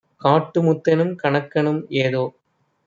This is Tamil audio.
"காட்டுமுத்" தெனும் கணக்கனும் ஏதோ